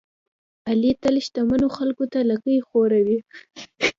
علي تل شتمنو خلکوته لکۍ خوروي.